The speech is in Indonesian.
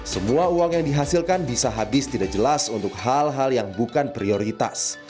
semua uang yang dihasilkan bisa habis tidak jelas untuk hal hal yang bukan prioritas